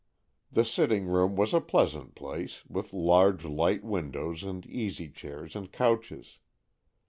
The sitting room was a pleasant place, with large light windows and easy chairs and couches.